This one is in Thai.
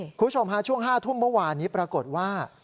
คุณผู้ชมฮะช่วง๕ทุ่มเมื่อวานนี้ปรากฏว่า